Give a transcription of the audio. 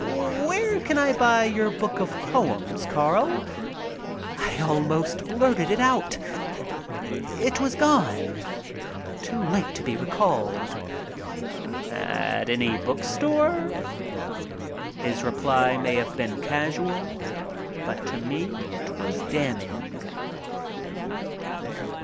"Where can I buy your book of poems, Carl?" I almost blurted it out. It was gone. Too late to be recalled. "At any bookstore." His reply may have been casual. To me it was damning.